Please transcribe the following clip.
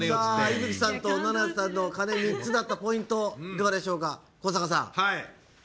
維吹さん、七星さん鐘３つだったポイントいかがでしょうか？